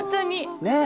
ねえ。